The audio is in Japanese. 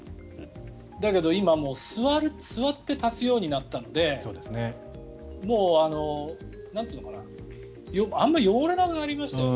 だけど、今は座って足すようになったのでもう、なんていうのかなあまり汚れなくなりましたよね。